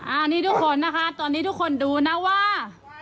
อันนี้ทุกคนนะคะตอนนี้ทุกคนดูนะว่า